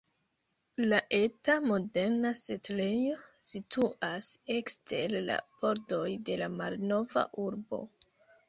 La eta, moderna setlejo situas ekster la pordoj de la malnova urbo.